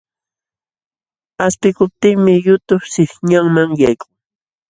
Qaspikuptinmi yutu sihñanman yaykun.